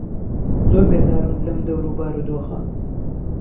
زۆر بێزارم لهم دهور و بارودۆخه